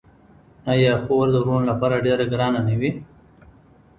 آیا خور د وروڼو لپاره ډیره ګرانه نه وي؟